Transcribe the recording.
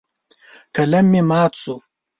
قلم مې مات شو.